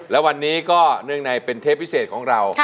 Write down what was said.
และวันนี้ก็เนื่องในเป็นเทปพิเศษของเรา